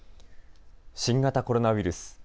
新型コロナウイルス。